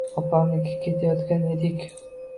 Opamnikiga ketayotgan edik.